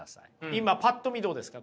今パッと見どうですか？